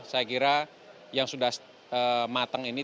maka yang sudah matang ini